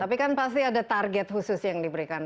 tapi kan pasti ada target khusus yang diberikan